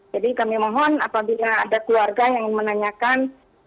jadi kami mohon apabila ada keluarga yang menanyakan